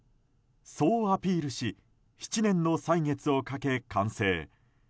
そうアピールし７年の歳月をかけ、完成。